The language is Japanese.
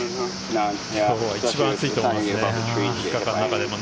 今日は一番暑いと思いますね。